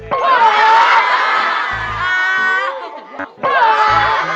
eh buka tuh